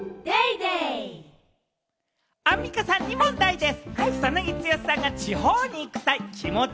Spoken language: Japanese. アンミカさんに問題です。